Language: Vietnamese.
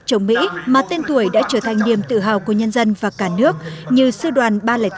chống mỹ mà tên tuổi đã trở thành niềm tự hào của nhân dân và cả nước như sư đoàn ba trăm linh bốn